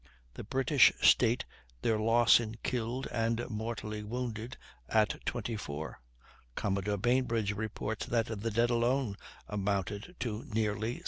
The British state their loss in killed and mortally wounded at 24; Commodore Bainbridge reports that the dead alone amounted to nearly 60!